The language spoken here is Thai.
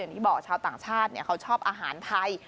ที่บอกชาวต่างชาติเขาชอบอาหารไทย